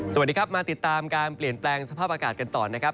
สวัสดีครับมาติดตามการเปลี่ยนแปลงสภาพอากาศกันต่อนะครับ